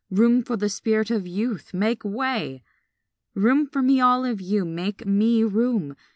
Room for the spirit of Youth; make way! Room for me, all of you, make me room!